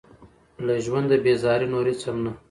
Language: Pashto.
له ژونده بېزاري نور هېڅ هم نه.